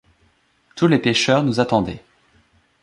Tous les pêcheurs nous attendaient.